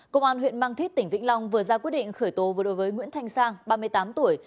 công an huyện mang thít tỉnh vĩnh long vừa ra quyết định khởi tố vừa đối với nguyễn thanh sang ba mươi tám tuổi